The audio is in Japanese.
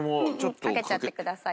かけちゃってください。